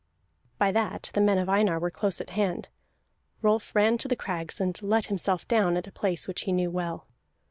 By that, the men of Einar were close at hand. Rolf ran to the crags and let himself down at a place which he knew well.